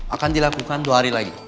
akan dilakukan dua hari lagi